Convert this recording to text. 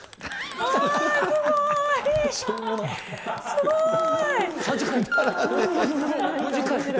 すごい！